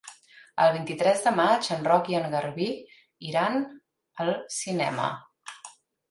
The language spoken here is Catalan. El vint-i-tres de maig en Roc i en Garbí iran al cinema.